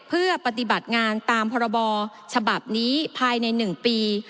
เพื่อปฏิบัติงานตามพรบฉบับนี้ภายใน๑ปี